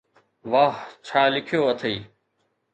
واهه، ڇا لکيو اٿئي؟